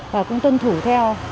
và cũng tuân thủ theo